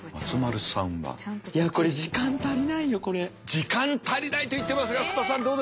時間足りないと言ってますが福田さんどうですか？